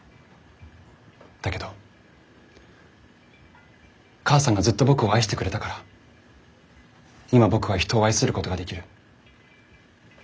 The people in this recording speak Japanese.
だけど母さんがずっと僕を愛してくれたから今僕は人を愛することができる。